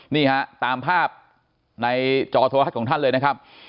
นี่ฮะตามภาพในจอโทรทัศน์ของท่านเลยนะครับ